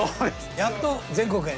やっと全国へ。